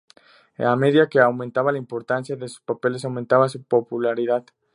A medida que aumentaba la importancia de sus papeles, aumentaba su popularidad.